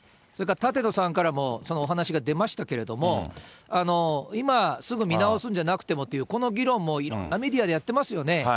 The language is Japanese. それから舘野さんからもお話が出ましたけれども、今、すぐ見直すんじゃなくてもという、この議論もいろんなメディアでやってますよね。